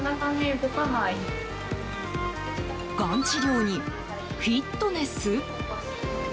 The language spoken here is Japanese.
がん治療にフィットネス？